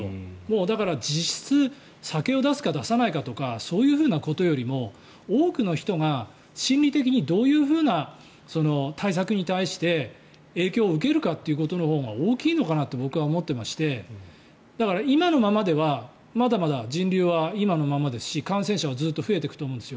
だから、実質酒を出すか出さないかとかそういうことよりも多くの人が心理的にどういうふうな対策に対して影響を受けるかということのほうが大きいのかなと僕は思っていましてだから、今のままではまだまだ人流は今のままですし感染者はずっと増えていくと思うんですよ。